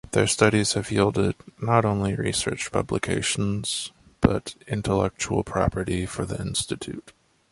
Their studies have yielded not only research publications, but intellectual property for the institute.